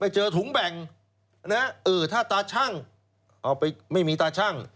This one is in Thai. เจอถุงแบ่งถ้าไม่มีตาช่าง